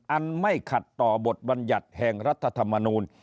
อันไม่ขัดต่อบทบัญญัติแห่งรัฐธรรมนูล